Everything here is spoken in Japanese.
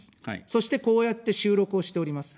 そして、こうやって収録をしております。